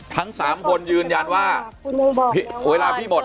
ทั้ง๓คนยืนยันว่าเวลาพี่หมด